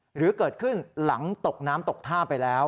หรือเกิดขึ้นหลังตกน้ำตกท่าไปแล้ว